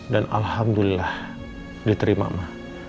dan alhamdulillah diterima ma